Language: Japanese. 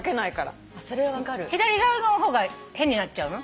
左側の方が変になっちゃうの？